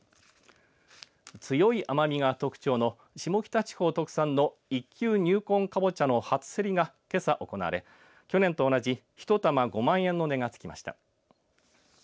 強い甘みが特徴の下北地方特産の一球入魂かぼちゃの初競りがけさ行われ去年と同じ１玉５万円の値がつきました。